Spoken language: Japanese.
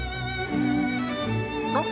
あっ。